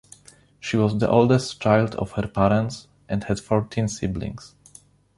She was the oldest child of her parents and had fourteen siblings.